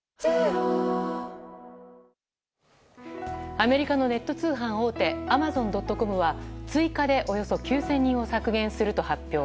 アメリカのネット通販大手アマゾン・ドット・コムは追加でおよそ９０００人を削減すると発表。